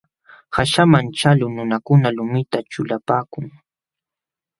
Qaśhaman ćhaqlul nunakuna lumita ćhulapaakun.